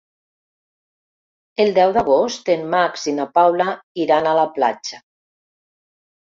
El deu d'agost en Max i na Paula iran a la platja.